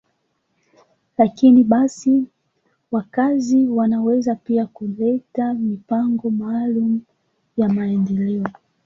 Lakini basi, wakazi wanaweza pia kuleta mipango maalum ya maendeleo.